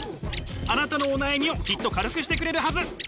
あなたのお悩みをきっと軽くしてくれるはず。